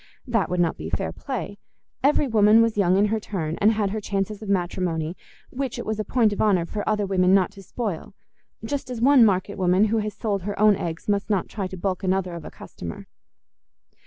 That would not be fair play: every woman was young in her turn, and had her chances of matrimony, which it was a point of honour for other women not to spoil—just as one market woman who has sold her own eggs must not try to balk another of a customer.